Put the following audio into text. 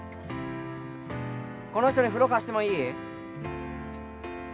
この人に風呂貸してもいい？